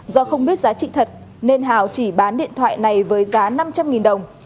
do không biết giá trị thật nên hào chỉ bán điện thoại này với giá năm trăm linh đồng